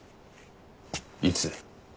いつ？